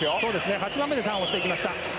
８番目でターンしていきました。